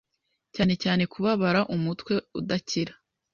cyane cyane kubabara umutwe udakira,